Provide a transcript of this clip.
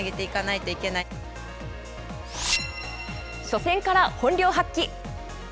初戦から本領発揮。